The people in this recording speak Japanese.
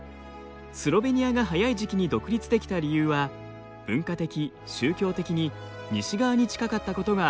スロベニアが早い時期に独立できた理由は文化的・宗教的に西側に近かったことが挙げられます。